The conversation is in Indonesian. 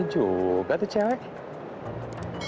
ada juga tuh cewek